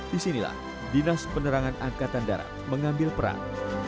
disinilah dinas penerangan angkatan darat mengambil perang